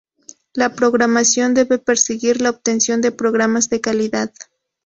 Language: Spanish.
La programación debe perseguir la obtención de programas de calidad.